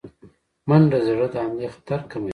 منډه د زړه د حملې خطر کموي